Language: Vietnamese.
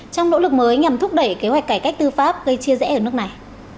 trong nỗ lực mới nhằm thúc đẩy kế hoạch cải cách tư pháp gây chia rẽ ở nước này